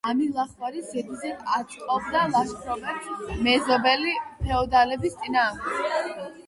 ამილახვარი ზედიზედ აწყობდა ლაშქრობებს მეზობელი ფეოდალების წინააღმდეგ.